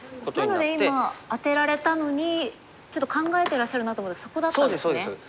なので今アテられたのにちょっと考えてらっしゃるなと思ったのはそこだったんですね。